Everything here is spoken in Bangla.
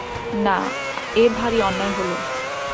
না, এ ভারি অন্যায় হল।